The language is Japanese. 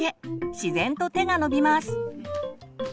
自然と手が伸びます。